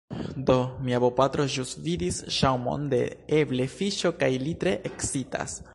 Do, mia bopatro ĵus vidis ŝaŭmon de eble fiŝo kaj li tre ekscitas